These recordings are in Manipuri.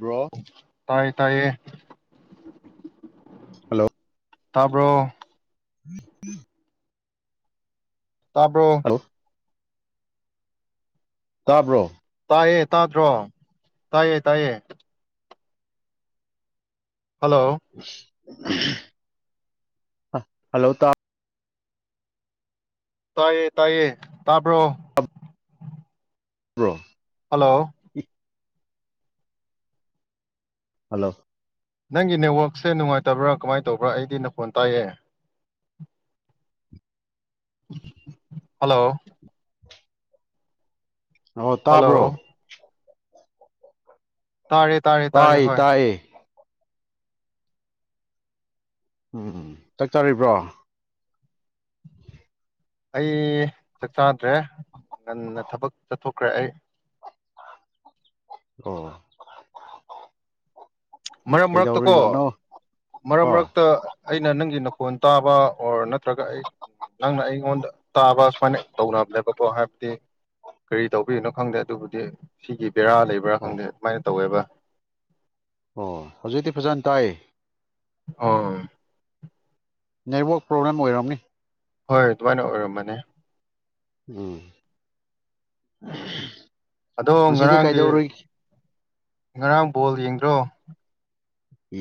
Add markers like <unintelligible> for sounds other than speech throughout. ꯕ꯭ꯔꯣ ꯇꯥꯏꯌꯦ ꯇꯥꯏꯌꯦ ꯍꯜꯂꯣ ꯇꯥꯕ꯭ꯔꯣ ꯎꯝ ꯎꯝ ꯇꯥꯕ꯭ꯔꯣ ꯍꯜꯂꯣ ꯇꯥꯕ꯭ꯔꯣ ꯇꯥꯏꯌꯦ ꯇꯥꯗ꯭ꯔꯣ ꯇꯥꯏꯌꯦ ꯇꯥꯏꯌꯦ ꯍꯜꯂꯣ ꯎ ꯍꯜꯂꯣ ꯇ ꯇꯥꯏꯌꯦ ꯇꯌꯦ ꯇꯥꯕ꯭ꯔꯣ ꯔ꯭ꯔꯣ ꯍꯜꯂꯣ ꯍꯜꯂꯣ ꯅꯪꯒꯤ ꯅꯦꯠꯋꯥꯛꯁꯦ ꯅꯨꯡꯉꯥꯏꯇꯕ꯭ꯔꯥ ꯀꯃꯥꯏꯅ ꯇꯧꯕ꯭ꯔꯥ ꯑꯩꯗꯤ ꯅ ꯐꯣꯟ ꯇꯥꯏꯑ ꯍꯜꯂꯣ ꯑꯣ ꯍꯜꯂꯣ ꯇꯥꯕ꯭ꯔꯣ ꯇꯥꯔꯦ ꯇꯥꯔꯦ ꯇꯥꯔꯦ ꯇꯥꯏ ꯍꯣꯏ ꯇꯥꯏꯌꯦ ꯎꯝ ꯎꯝ ꯆꯥꯛꯇꯥꯥꯔꯤꯕ꯭ꯔꯣ ꯑꯩ ꯆꯥꯛ ꯆꯥꯗ꯭ꯔꯦ ꯉꯟꯅ ꯊꯕꯛ ꯆꯠꯊꯣꯛꯈ꯭ꯔꯦ ꯑꯩ ꯑꯣ ꯃꯔꯛ ꯃꯔꯛꯇ ꯀꯣ ꯀꯩꯗꯧꯔꯤꯕꯅꯣ ꯃꯔꯛ ꯍꯣꯏ ꯃꯔꯛꯇ ꯑꯩꯅ ꯅꯪꯒꯤ ꯅ ꯐꯣꯟ ꯇꯥꯕ ꯑꯣꯔ ꯅꯠꯇ꯭ꯔꯒ ꯑꯩ ꯅꯪꯅ ꯑꯩꯉꯣꯟꯗ ꯇꯥꯕ ꯁꯨꯃꯥꯏꯅ ꯇꯧꯅꯕꯅꯦꯕꯀꯣ ꯍꯥꯏꯕꯗꯤ ꯀꯔꯤ ꯇꯧꯕꯤꯅꯣ ꯈꯪꯗꯦ ꯑꯗꯨꯕꯨꯗꯤ ꯁꯤꯒꯤ ꯄꯦꯔꯥ ꯂꯩꯕ꯭ꯔꯥ ꯑꯣ ꯈꯪꯗꯦ ꯑꯗꯨꯃꯥꯏꯅ ꯇꯧꯋꯦꯕ ꯑꯣ ꯍꯧꯖꯤꯛꯇꯤ ꯐꯖꯅ ꯇꯥꯏ ꯑꯥ ꯅꯦꯠꯋꯛ ꯄ꯭ꯔꯣꯕ꯭ꯂꯦꯝ ꯑꯣꯏꯔꯝꯅꯤ ꯍꯣꯏ ꯑꯗꯨꯃꯥꯏꯅ ꯑꯣꯏꯔꯃꯅꯤ ꯎꯝ ꯑꯗꯣ ꯉꯁꯤꯗꯤ ꯉꯔꯥꯡꯒꯤ ꯀꯩꯗꯧꯔꯨꯏ ꯉꯔꯥꯡ ꯕꯣꯜ ꯌꯦꯡꯗ꯭ꯔꯣ ꯎ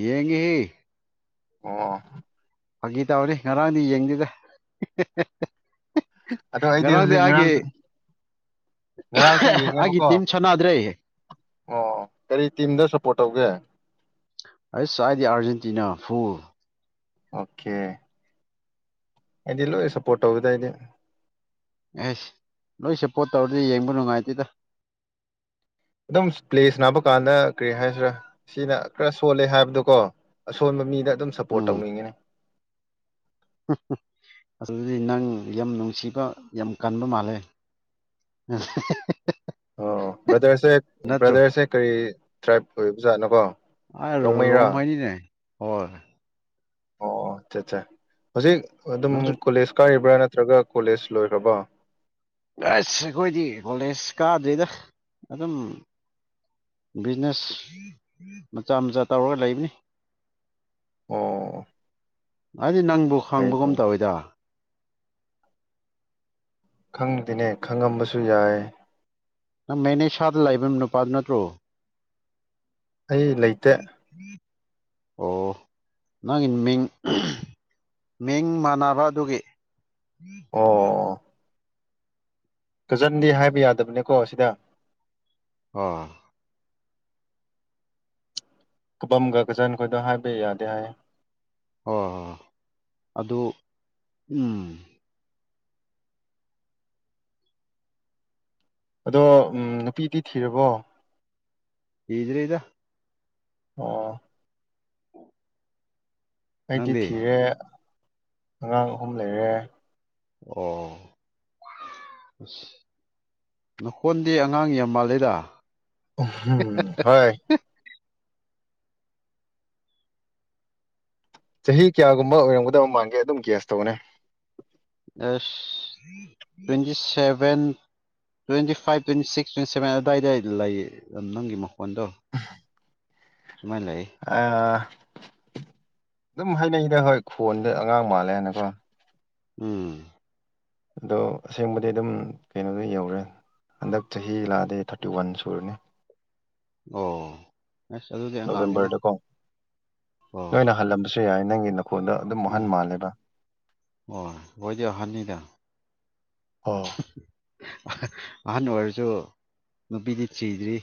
ꯌꯦꯡꯒꯤ ꯑꯣ ꯐꯥꯒꯤ ꯇꯧꯅꯤ ꯉꯔꯥꯡꯗꯤ ꯌꯦꯡꯗꯦꯗ ꯑꯗꯣ ꯑꯩꯗꯤ ꯉꯔꯥꯡꯗꯤ ꯍꯧꯖꯤꯛ ꯑꯩꯒꯤ ꯉꯔꯥꯡꯁꯨ ꯉꯔꯥꯡꯁꯨ ꯑꯩꯒꯤ ꯌꯦꯡꯉꯦꯕꯀꯣ ꯇꯤꯝ ꯁꯥꯟꯅꯗ꯭ꯔꯦ ꯑꯣ ꯀꯔꯤ ꯇꯤꯝꯗ ꯁꯞꯄꯣꯔꯠ ꯇꯧꯒꯦ ꯑꯩꯁ ꯆꯥꯏꯗꯤ ꯑꯔꯖꯦꯟꯇꯤꯅꯥ ꯐꯜ ꯑꯣꯀꯦ ꯍꯥꯏꯗꯤ ꯂꯣꯏ ꯁꯞꯄꯣꯔꯠ ꯇꯧꯗꯥꯏꯗꯤ ꯑꯦꯁ ꯂꯣꯏ ꯁꯞꯄꯣꯔꯠ ꯇꯧꯔꯗꯤ ꯌꯦꯡꯕ ꯅꯨꯡꯉꯥꯏꯇꯦꯗ ꯑꯗꯨꯝ ꯄ꯭ꯂꯦꯁ ꯅꯥꯕ ꯀꯥꯟꯗ ꯀꯔꯤ ꯍꯥꯏꯁꯤꯔꯥ ꯁꯤꯅ ꯈꯔ ꯁꯣꯜꯂꯦ ꯍꯥꯏꯕꯗꯣꯀꯣ ꯑꯁꯣꯟꯕ ꯃꯤꯗ ꯑꯗꯨꯝ ꯁꯞꯄꯣꯔꯠ ꯎꯝ ꯇꯧꯅꯤꯡꯉꯤꯅꯦ ꯑꯗꯨꯗꯤ ꯅꯪ ꯌꯥꯝ ꯅꯨꯡꯁꯤꯕ ꯌꯥꯝ ꯀꯟꯕ ꯃꯥꯜꯂꯦ ꯑꯣ ꯕ꯭ꯔꯗꯔꯁꯦ ꯅꯠꯇ꯭ꯔꯣ ꯕ꯭ꯔꯗꯔꯁꯦ ꯀꯔꯤ ꯇ꯭ꯔꯥꯏꯞ ꯑꯣꯏꯕ ꯖꯥꯠꯅꯀꯣ ꯑ ꯔꯣꯝ ꯍꯥꯏꯥꯏꯅꯤ ꯅꯥꯏ ꯍ ꯑꯣꯠꯇ ꯍꯧꯖꯤꯛ ꯑꯗꯨꯝ ꯅꯪꯁꯨ ꯀꯣꯂꯦꯁ ꯀꯥꯏ ꯕ꯭ꯔꯥ ꯅꯠꯇ꯭ꯔꯒ ꯀꯣꯂꯦꯖ ꯂꯣꯏꯈ꯭ꯔꯕ꯭ꯔꯥ ꯑꯁ ꯑꯩꯈꯣꯏꯗꯤ ꯀꯣꯂꯦꯖ ꯀꯥꯗ꯭ꯔꯤꯗ ꯑꯗꯨꯝ ꯕꯤꯖꯤꯅꯦꯁ ꯃꯆꯥ ꯃꯆꯥ ꯇꯧꯔꯒ ꯂꯩꯕꯅꯤ ꯑꯣ ꯑꯗꯨꯗꯤ ꯅꯪꯕꯨ ꯐꯩ ꯈꯪꯕꯒꯨꯝ ꯐꯩ ꯇꯧꯋꯏꯗ ꯈꯪꯗꯦꯅꯦ ꯈꯪꯉꯝꯕꯁꯨ ꯌꯥꯏ ꯅꯪ ꯃꯦꯅꯦ ꯁꯥꯗ ꯂꯥꯛꯕ ꯅꯨꯄꯥꯗꯨ ꯅꯠꯇ꯭ꯔꯣ ꯑꯩ ꯂꯩꯇꯦ ꯑꯣ ꯅꯪꯒꯤ ꯃꯤꯡ ꯃꯤꯡ ꯃꯥꯟꯅꯕ ꯑꯗꯨꯒꯤ ꯎꯝ ꯑꯣ ꯎꯝ ꯀꯖꯟꯗꯤ ꯍꯥꯏꯕ ꯌꯥꯗꯕꯅꯦꯀꯣ ꯑꯁꯤꯗ ꯑꯣ ꯀꯕꯝꯒ ꯀꯆꯟꯈꯣꯏꯗ ꯍꯥꯏꯕ ꯌꯥꯗꯦ ꯍꯥꯏ ꯍꯣꯏ ꯍꯣꯏ ꯑꯗꯨ ꯎꯝ ꯑꯗꯣ ꯅꯨꯄꯤꯗꯤ ꯊꯤꯔꯕꯣ ꯍ꯭ꯔꯦ ꯏꯗ ꯑ ꯎꯝ ꯑꯩꯗꯤ ꯊꯤꯔꯦ ꯑꯉꯥꯡ ꯑꯍꯨꯝ ꯂꯩꯔꯦ ꯑꯣ ꯑ ꯅꯈꯣꯟꯗꯤ ꯑꯉꯥꯡ ꯌꯥꯝ ꯃꯥꯜꯂꯦꯗ ꯝ ꯍꯣꯏ ꯆꯍꯤ ꯀꯌꯥꯒꯨꯝꯕ ꯑꯣꯏꯔꯝꯒꯗꯕ ꯃꯥꯡꯒꯦ ꯑꯗꯨꯝ ꯒꯦꯁ ꯇꯧꯅꯦ ꯑꯁ twenty seven twenty five twenty six twenty seven ꯑꯗꯨꯋꯥꯏꯗ ꯂꯩ ꯅꯪꯒꯤ ꯃꯣ ꯍꯗ ꯑ ꯑꯗꯨꯝ ꯍꯩꯅꯩꯗ ꯍꯣꯏ ꯈꯣꯟꯗ ꯑꯉꯥꯡ ꯃꯥꯜꯂꯦ ꯍꯥꯏꯅꯀꯣ ꯎꯝ ꯑꯗꯣ ꯑꯁꯦꯡꯕꯗꯤ ꯑꯗꯨꯝ ꯀꯩꯅꯣꯗ ꯌꯧꯔꯦ ꯍꯟꯗꯛ ꯆꯍꯤ ꯂꯥꯛꯑꯗꯤ ꯊꯥꯔꯇꯤ ꯋꯥꯟ ꯁꯨꯔꯅꯤ ꯑꯣ ꯑꯁ ꯑꯗꯨꯗꯤ ꯑꯉꯥꯡꯅꯤꯅ ꯅꯣꯕꯦꯝꯕꯔꯗꯀꯣ ꯑꯣ ꯅꯣꯏꯅ ꯍꯜꯂꯝꯕꯁꯨ ꯌꯥꯏ ꯅꯪꯅ ꯎꯝ ꯍ ꯍꯣꯏꯖ ꯍꯅꯤꯗ ꯑꯣ ꯑꯍꯟ ꯑꯣꯏꯔꯁꯨ ꯅꯨꯄꯤꯗꯤ ꯊꯤꯗ꯭ꯔꯤ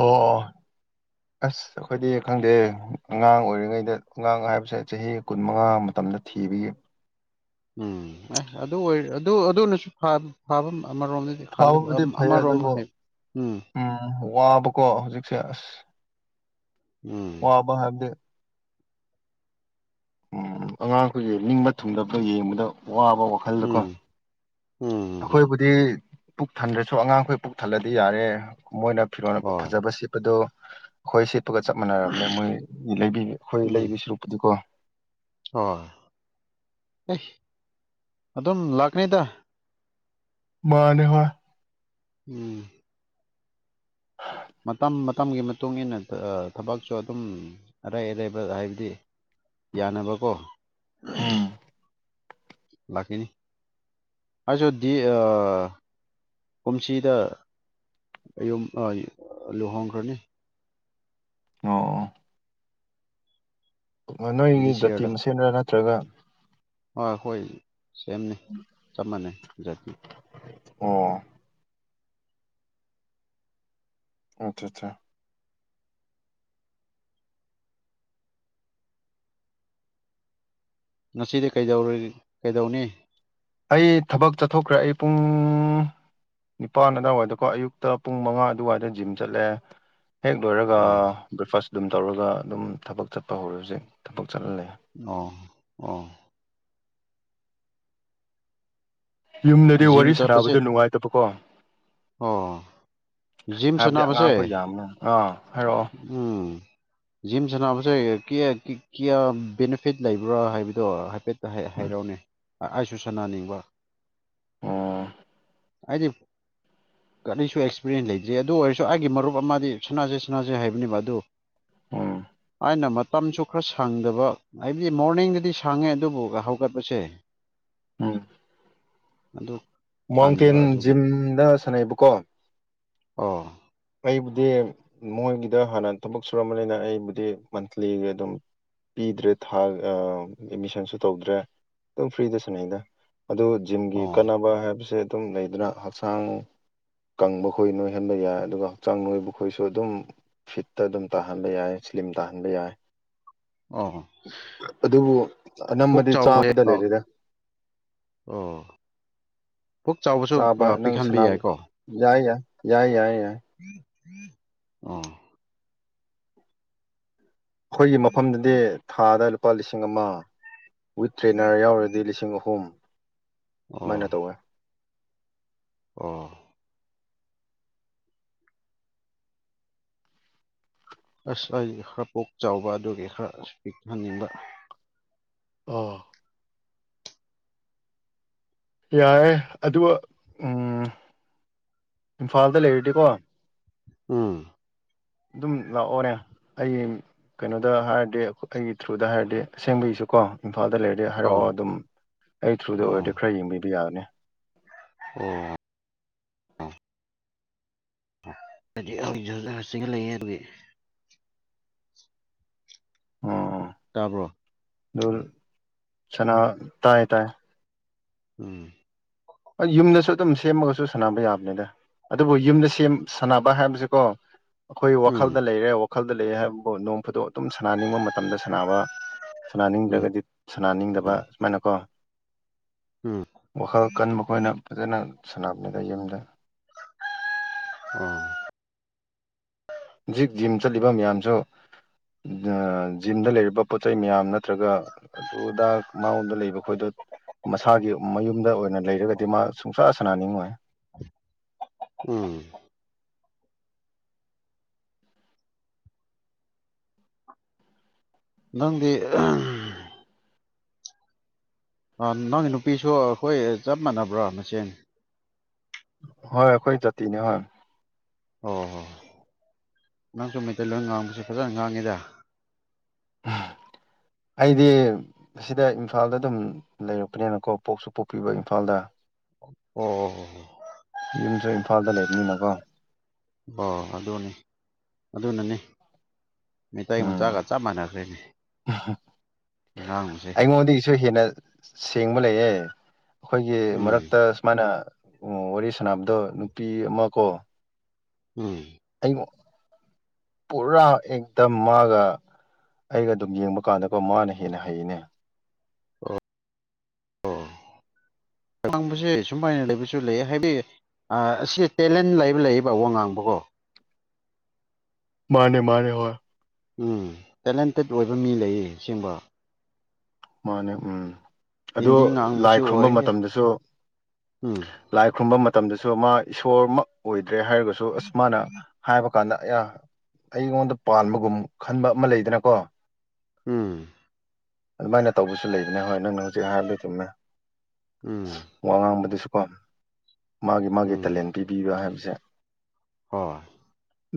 ꯑꯣ ꯑꯁ ꯑꯩꯈꯣꯏꯗꯤ ꯈꯪꯗꯦ ꯑꯉꯥꯡ ꯑꯣꯏꯔꯤꯉꯩꯗ ꯑꯉꯥꯡ ꯍꯥꯏꯕꯁꯦ ꯆꯍꯤ ꯀꯨꯟ ꯃꯉꯥ ꯃꯇꯝꯗ ꯊꯤꯕꯒꯤ ꯎꯝ ꯑꯦ ꯑꯗꯨ ꯑꯣꯏ ꯑꯗꯨ ꯑꯗꯨꯅꯁꯨ ꯐꯥꯕ ꯑꯥ ꯔꯣꯝꯗꯗꯤ ꯐꯕꯕꯨꯗꯤ ꯐꯩ ꯑꯥ ꯔꯣꯝꯗ ꯑꯗꯨꯕꯨ ꯍꯥꯏꯕ ꯎꯝ ꯋꯥꯕꯀꯣ ꯍꯧꯖꯤꯛꯁꯦ ꯑꯁ ꯎꯝ ꯋꯥꯕ ꯍꯥꯏꯕꯗꯤ ꯎꯝ ꯑꯉꯥꯡꯈꯣꯏꯖꯦ ꯅꯤꯡꯕ ꯊꯨꯡꯗꯕ ꯌꯦꯡꯕꯗ ꯋꯥꯕ ꯋꯥꯈꯜꯗꯀꯣ ꯎꯝ ꯎꯝ ꯑꯩꯈꯣꯏꯕꯨꯗꯤ ꯄꯨꯛ ꯊꯟꯗ꯭ꯔꯁꯨ ꯑꯉꯥꯡꯈꯣꯏ ꯄꯨꯛ ꯊꯜꯂꯗꯤ ꯌꯥꯔꯦ ꯃꯣꯏꯅ ꯐꯤꯔꯣꯜ ꯍꯣꯏ ꯐꯖꯕ ꯁꯦꯠꯄꯗꯨ ꯑꯩꯈꯣꯏ ꯁꯦꯠꯄꯒ ꯆꯞ ꯃꯥꯟꯅꯔꯕꯅꯦ ꯃꯣꯏꯒꯤ ꯂꯩꯕꯤ ꯑꯩꯈꯣꯏ ꯎꯝ ꯂꯩꯕ ꯁ ꯂꯨꯛꯄꯨꯗꯤꯀꯣ ꯍꯣꯏ ꯑꯦ ꯑꯗꯨꯝ ꯂꯥꯛꯀꯅꯤꯗ ꯃꯥꯅꯦ ꯃꯥꯅꯦ ꯎꯝ <unintelligible> ꯃꯇꯝ ꯃꯇꯝꯒꯤ ꯃꯇꯨꯡ ꯏꯟꯅ ꯊꯕꯛꯁꯨ ꯑꯗꯨꯝ ꯑꯔꯩ ꯑꯔꯥꯏꯕ ꯍꯥꯏꯕꯗꯤ ꯌꯥꯅꯕꯀꯣ ꯎꯝ <unintelligible> ꯂꯥꯛꯀꯦꯅꯤ ꯑꯩꯁꯨ ꯀꯨꯝꯁꯤꯗ ꯌꯨꯝ ꯂꯨꯍꯣꯡꯈ꯭ꯔꯥꯅꯤ ꯑꯣ ꯅꯣꯏꯒꯤ ꯗꯤꯁ ꯖꯥꯇꯤ ꯌꯔꯗ ꯃꯁꯦꯟꯗꯥ ꯅꯠꯇ꯭ꯔꯒ ꯍꯣꯏ ꯑꯩꯈꯣꯏ ꯁꯦꯝꯅꯤ ꯆꯞ ꯃꯥꯅꯦ ꯖꯥꯠꯇꯤ ꯑꯣ ꯑꯆꯥ ꯑꯠꯆꯥ ꯉꯁꯤꯗꯤ ꯀꯩꯗꯧꯅꯤ ꯑꯩ ꯊꯕꯛ ꯆꯠꯊꯣꯛꯈ꯭ꯔꯦ ꯑꯩ ꯄꯨꯡ ꯅꯤꯄꯥꯟ ꯑꯗꯨꯋꯥꯏꯋꯥꯏꯗꯀꯣ ꯑꯌꯨꯛꯇ ꯄꯨꯡ ꯃꯉꯥ ꯑꯗꯨꯋꯥꯏꯗ ꯖꯤꯝ ꯆꯠꯂꯦ ꯍꯦꯛ ꯂꯣꯏꯔꯒ ꯑꯣ ꯕ꯭ꯔꯦꯛꯐꯥꯁ ꯑꯗꯨꯝ ꯇꯧꯔꯒ ꯑꯗꯨꯝ ꯊꯕꯛ ꯆꯠꯄ ꯍꯧꯔꯁꯦ ꯊꯕꯛ ꯆꯠꯍꯜꯂ ꯑꯣ ꯑꯣ ꯌꯨꯝꯗꯗꯤ ꯖꯤꯝ ꯋꯥꯔꯤ ꯆꯠꯄꯁꯦ ꯁꯥꯅꯕꯗ ꯅꯨꯡꯉꯥꯏꯇꯕꯀꯣ ꯑꯣ ꯖꯤꯝ ꯍꯥꯏꯕꯗꯤ ꯁꯥꯟꯅꯕꯁꯦ ꯑꯉꯥꯡꯈꯣꯢ ꯌꯥꯝꯅ ꯑꯥ ꯍꯥꯏꯔꯛꯑꯣ ꯎꯝ ꯖꯤꯝ ꯁꯥꯟꯅꯕꯁꯦ ꯀꯌꯥ ꯕꯦꯅꯤꯐꯤꯠ ꯂꯩꯕ꯭ꯔꯥ ꯍꯥꯏꯕꯗꯣ ꯍꯥꯏꯐꯦꯠ ꯀ ꯎꯝ ꯍꯥꯏꯔꯛꯑꯣꯅꯦ ꯑꯩꯁꯨ ꯁꯅꯥꯅꯤꯡꯕ ꯑꯣ ꯑꯩꯗꯤ ꯀꯔꯤꯁꯨ ꯑꯦꯛꯁꯄꯤꯔꯤꯟꯁ ꯂꯩꯇꯦ ꯑꯗꯨ ꯑꯣꯏꯔꯁꯨ ꯑꯩꯒꯤ ꯃꯔꯨꯞ ꯑꯃꯗꯤ ꯁꯅꯥꯁꯦ ꯁꯅꯥꯁꯦ ꯍꯥꯏꯕꯅꯦꯕ ꯑꯗꯨ ꯎꯝ ꯥꯑꯩꯅ ꯃꯇꯝꯁꯨ ꯈꯔ ꯁꯪꯗꯕ ꯍꯥꯏꯕꯗꯤ ꯃꯣꯔꯅꯤꯡꯗꯗꯤ ꯁꯪꯉꯦ ꯑꯗꯨꯕꯨ ꯍꯧꯒꯠꯄꯁꯦ ꯎꯝ ꯑꯗꯣ ꯃꯇ ꯖꯤꯝꯗ ꯁꯅꯏꯕꯀꯣ ꯑꯣ ꯑꯩꯕꯨꯗꯤ ꯃꯣꯏꯒꯤꯗ ꯍꯥꯟꯅ ꯊꯕꯛ ꯁꯨꯔꯝꯕꯅꯤꯅ ꯑꯩꯕꯨꯗꯤ ꯃꯟꯠꯂꯤ ꯑꯗꯨꯝ ꯄꯤꯗ꯭ꯔꯦ ꯊꯥ ꯑꯦꯠꯃꯤꯁꯟꯁꯨ ꯇꯧꯗ꯭ꯔꯦ ꯑꯗꯨꯝ ꯐ꯭ꯔꯤꯗꯁꯨꯅ ꯑꯩꯅ ꯑꯗꯨ ꯖꯤꯝꯒꯤ ꯑꯣ ꯀꯥꯟꯅꯕ ꯍꯥꯏꯕꯁꯦ ꯑꯗꯨꯝ ꯂꯩꯗꯨꯅ ꯍꯛꯆꯥꯡ ꯀꯪꯕ ꯈꯣꯏ ꯅꯣꯏꯍꯟꯕ ꯌꯥꯏ ꯑꯗꯨꯒ ꯍꯛꯆꯥꯡ ꯅꯣꯏꯕꯈꯣꯏꯁꯨ ꯑꯗꯨꯝ ꯐꯤꯠꯇ ꯑꯗꯨꯝ ꯇꯥꯍꯟꯕ ꯌꯥꯏ ꯁ꯭ꯂꯤꯝ ꯇꯥꯍꯟꯕ ꯌꯥꯏ ꯑꯣ ꯑꯗꯨꯕꯨ ꯄꯨꯛ ꯑꯅꯝꯕꯗꯤ ꯆꯥꯎꯕ ꯆꯥꯕꯗ ꯂꯩꯔꯤꯗ ꯑꯣ ꯄꯨꯛ ꯆꯥꯎꯕꯁꯨ ꯆꯥꯕ ꯑꯥ, ꯅꯪ ꯄꯤꯛꯍꯟꯕ ꯁꯅꯥ ꯌꯥꯏꯌꯦ ꯌꯥꯏ ꯌꯥꯏ ꯌꯥꯏ ꯎꯝ ꯑ ꯑꯩꯈꯣꯏꯒꯤ ꯃꯐꯝꯗꯗꯤ ꯊꯥꯗ ꯂꯨꯄꯥ ꯂꯤꯁꯤꯡ ꯑꯃ ꯋꯤꯠ ꯇ꯭ꯔꯦꯅꯔ ꯌꯥꯎꯔꯗꯤ ꯂꯤꯁꯤꯡ ꯑꯍꯨꯝ ꯃꯅ ꯇꯧꯒ ꯑ ꯑꯁ ꯑꯩ ꯈꯔ ꯄꯣꯛ ꯆꯥꯎꯕ ꯑꯗꯨꯒꯤ ꯈꯔ ꯑ ꯄꯤꯛꯍꯟꯅꯤꯡꯕ ꯑꯥ ꯌꯥꯔꯦ ꯑꯗꯨ ꯎ ꯏꯝꯐꯥꯜꯗ ꯂꯩꯔꯗꯤꯀꯣ ꯎꯝ ꯑꯗꯨꯝ ꯂꯥꯛꯑꯣꯅꯦ ꯑꯩ ꯀꯩꯅꯣꯗ ꯍꯥꯏꯔꯗꯤ ꯑꯩꯒꯤ ꯊ꯭ꯔꯨꯗ ꯍꯥꯏꯔꯗꯤ ꯑꯁꯦꯡꯕꯒꯤꯁꯨꯀꯣ ꯏꯝꯐꯥꯗ ꯂꯩꯔꯗꯤ ꯑꯣ ꯍꯥꯏꯔꯛꯑꯣ ꯑꯗꯨꯝ ꯑꯩ ꯊ꯭ꯔꯨꯗ ꯑꯣ ꯑꯣꯏꯔꯗꯤ ꯈꯔ ꯌꯦꯡꯕꯤꯕ ꯌꯥꯕꯅꯤ ꯑꯣ ꯑ ꯂꯩꯌꯦ ꯑꯗꯨꯒꯤ ꯎꯝ ꯇꯥꯕ꯭ꯔꯣ ꯑꯗꯨ ꯎꯝ ꯁꯅꯥ ꯇꯥꯏ ꯇꯥꯏ ꯎꯝ ꯌꯨꯝꯗꯁꯨ ꯑꯗꯨꯝ ꯁꯦꯝꯃꯒꯁꯨ ꯁꯥꯟꯅꯕ ꯌꯥꯕꯅꯤꯗ ꯑꯗꯨꯕꯨ ꯌꯨꯝꯗ ꯁꯥꯟꯅꯕ ꯍꯥꯏꯕꯁꯤꯀꯣ ꯑꯩꯈꯣꯏ ꯎꯝ ꯋꯥꯈꯜꯗ ꯂꯩꯔꯦ ꯋꯥꯜꯗ ꯂꯩꯑꯦ ꯍꯥꯏꯕꯕꯨ ꯅꯣꯡ ꯐꯨꯗꯣꯛ ꯑꯗꯨꯝ ꯁꯅꯥꯅꯤꯡꯕ ꯃꯇꯝꯗ ꯁꯅꯕ ꯎꯝ ꯁꯅꯥꯅꯤꯡꯗ꯭ꯔꯒꯗꯤ ꯁꯅꯥꯅꯤꯡꯗꯕ ꯎꯝ ꯁꯨꯃꯥꯏꯅꯀꯣ ꯎꯝ ꯋꯥꯈꯜ ꯃꯈꯣꯏꯅ ꯐꯖꯅ ꯁꯅꯥꯞꯅꯦꯗꯥ ꯌꯦꯗ ꯎꯝ ꯍꯧꯖꯤꯛ ꯖꯤꯝ ꯆꯠꯂꯤꯕ ꯃꯌꯥꯝꯁꯨ ꯖꯤꯝꯗ ꯂꯩꯔꯤꯕ ꯄꯣꯠ ꯆꯩꯩ ꯃꯌꯥꯝ ꯅꯠꯇ꯭ꯔꯒ ꯑꯗꯨ ꯑꯗ ꯃꯥꯉꯣꯟꯗ ꯂꯩꯕ ꯈꯣꯏꯗꯣ ꯃꯁꯥꯒꯤ ꯃꯌꯨꯝꯗ ꯑꯣꯏꯅ ꯂꯩꯔꯒꯗꯤ ꯃꯥ ꯁꯨꯡꯁꯥ ꯁꯥꯟꯅꯥꯅꯤꯡꯉꯣꯏ ꯎꯝ ꯅꯪꯗꯤ ꯅꯪꯒꯤ ꯅꯨꯄꯤꯁꯨ ꯑꯩꯈꯣꯏ ꯆꯞ ꯃꯥꯟꯅꯕ꯭ꯔꯥ ꯃꯆꯦ ꯍꯣꯏ ꯑꯩꯈꯣꯏ ꯖꯥꯇꯤꯅꯦ ꯍꯣꯏ ꯑꯣ ꯍꯣꯏ ꯅꯪꯁꯨ ꯃꯩꯇꯩ ꯂꯣꯏ ꯉꯥꯡꯕꯁꯦ ꯐꯖꯅ ꯉꯥꯡꯉꯤꯗ ꯑꯩꯗꯤ ꯁꯤꯗ ꯏꯝꯐꯥꯜꯗ ꯑꯗꯨꯝ ꯂꯩꯔꯛꯄꯅꯤꯅꯀꯣ ꯄꯣꯛꯁꯨ ꯄꯣꯛꯄꯤꯕ ꯏꯝꯐꯥꯜꯗ ꯑꯣ ꯌꯨꯝꯁꯨ ꯏꯝꯐꯥꯜꯗ ꯂꯩꯕꯅꯤꯅꯀꯣ ꯑꯣ ꯑꯗꯨꯅꯤ ꯑꯗꯨꯅꯅꯤ ꯃꯩꯇꯩ ꯎꯝ ꯃꯆꯥꯒ ꯆꯞ ꯃꯥꯟꯅꯈ꯭ꯔꯦꯅꯦ ꯉꯥꯡꯕꯁꯦ ꯕꯂꯩꯌꯦ ꯑꯩꯈꯣꯏꯒꯤ ꯎꯝ ꯃꯔꯛꯇ ꯁꯨꯃꯥꯏꯅ ꯑꯣ ꯋꯥꯔꯤ ꯁꯥꯟꯅꯕꯗꯣ ꯅꯨꯄꯤ ꯑꯃ ꯀꯣ ꯎꯝ ꯑꯩꯃꯨꯛ ꯄꯨꯔꯥ ꯑꯦꯗꯝ ꯃꯥꯒ ꯑꯩꯒ ꯑꯗꯨꯝ ꯌꯦꯡꯕ ꯀꯥꯟꯗꯀꯣ ꯃꯥꯅ ꯍꯦꯟꯅ ꯍꯩꯅꯦ ꯑꯣ ꯑꯣ ꯉꯥꯡꯕꯁꯦ ꯁꯨꯃꯥꯏꯅ ꯂꯩꯕꯁꯨ ꯂꯩ ꯍꯥꯏꯗꯤ ꯑꯁꯤ ꯇꯦꯂꯦꯟ ꯂꯩꯕ ꯂꯩꯌꯦꯕ ꯋꯥ ꯉꯥꯡꯕꯀꯣ ꯃꯥꯅꯦ ꯃꯥꯅꯦ ꯍꯣꯏ ꯎꯝ ꯇꯦꯂꯦꯟꯇꯦꯠ ꯑꯣꯏꯕ ꯃꯤ ꯂꯩꯌꯦꯁꯦꯡꯕ ꯃꯥꯅꯦ ꯎꯝ ꯑꯗꯨ ꯍꯤꯟꯗꯤ ꯂꯥꯏ ꯉꯥꯡꯕꯁꯨ ꯈꯨꯔꯨꯝꯕ ꯑꯣꯏ ꯃꯇꯝꯗꯁꯨ ꯎꯝ ꯂꯥꯏ ꯈꯨꯔꯨꯝꯕ ꯃꯇꯝ ꯃꯇꯝꯗꯁꯨ ꯃꯥ ꯏꯁꯣꯔꯃꯛ ꯑꯣꯏꯗ ꯒ꯭ꯔꯦ ꯍꯥꯏꯔꯒꯁꯨ ꯑꯁ ꯃꯥꯅ ꯍꯥꯏꯕ ꯀꯥꯟꯗ ꯑꯩꯉꯣꯟꯗ ꯄꯥꯟꯕꯒꯨꯝ ꯈꯟꯕ ꯑꯃ ꯂꯩꯗꯅꯀꯣ ꯎꯝ ꯑꯗꯨꯃꯥꯏꯅ ꯇꯧꯕꯁꯨ ꯂꯩꯕꯅꯦ ꯍꯣꯏ ꯅꯪꯅ ꯍꯧꯖꯤꯛ ꯍꯥꯏꯕꯗꯨ ꯆꯨꯝꯃꯦ ꯎꯝ ꯋꯥꯉꯝꯕꯗꯨꯁꯨ ꯀ <unintelligible> ꯃꯥꯒꯤ ꯃꯥꯒꯤ ꯎꯝ ꯇꯦꯂꯦꯟ ꯄꯤꯕꯤꯕ ꯍꯥꯏꯕꯁꯦ ꯍꯣꯏ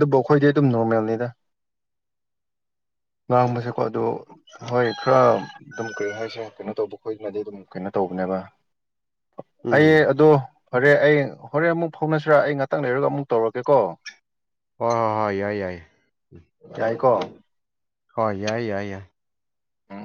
ꯑꯕꯣ ꯈꯣꯏꯗ ꯗꯨꯝ ꯅꯣꯔꯃꯦꯜ ꯅꯤꯗ ꯉꯥꯡꯕ ꯁꯛꯄꯗꯥ ꯍꯣꯏ ꯈꯔ ꯑꯗꯨꯝ ꯀꯔꯤ ꯍꯥꯏꯁꯤꯔ ꯀꯩꯅꯣ ꯇꯧꯕ ꯈꯣꯏꯅꯗꯤ ꯑꯗꯨꯝ ꯀꯩꯅꯣ ꯇꯧꯕꯅꯦꯕ ꯑꯩ ꯎꯝ ꯑꯗꯣ ꯐꯔꯦ ꯑꯩ ꯍꯣꯔꯦꯟ ꯑꯃꯨꯛ ꯐꯥꯎꯅꯁꯤꯔꯥ ꯑꯩ ꯉꯥꯛꯇꯪ ꯂꯩꯔꯒ ꯑꯃꯨꯛ ꯇꯧꯔꯒꯦꯀꯣ ꯍꯣꯏ ꯍꯣꯏ ꯍꯣꯏ ꯌꯥꯏ ꯌꯥꯏ ꯌꯥꯏꯀꯣ ꯍꯣꯏ ꯌꯥꯏ ꯌꯥꯏ ꯌꯥꯏ ꯎꯝ ꯎꯝ